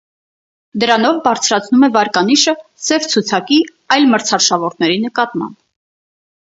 Դրանով բարձրացնում է վարկանիշը «Սև ցուցակի» այլ մրցարշավորդների նկատմամբ։